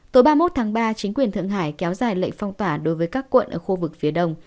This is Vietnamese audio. tối ba mươi một tháng ba chính quyền thượng hải kéo dài lệnh phong tỏa đối với các quận ở khu vực phía đông